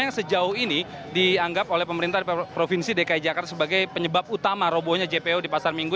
yang sejauh ini dianggap oleh pemerintah provinsi dki jakarta sebagai penyebab utama robohnya jpo di pasar minggu